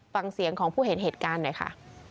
ฟังเสียงของผู้เห็นเหตุการณ์หน่อยค่ะ